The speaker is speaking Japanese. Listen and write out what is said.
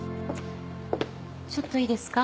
ちょっといいですか？